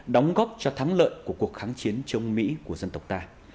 đóng góp cho thắng lợi của cuộc kháng chiến chống mỹ của dân tộc ta